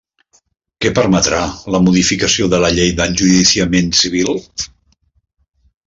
Què permetrà la modificació de la Llei d'enjudiciament civil?